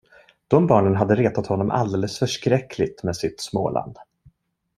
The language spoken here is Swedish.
De barnen hade retat honom alldeles förskräckligt med sitt Småland.